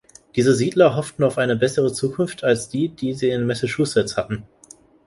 Diese Siedler hofften auf eine bessere Zukunft als die, die sie in Massachusetts hatten.